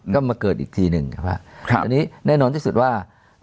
ก็มาเกิดอีกทีหนึ่งครับอันนี้แน่นอนที่สุดว่า